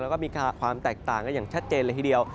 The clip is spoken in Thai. และมีความแตกต่างชัดเจน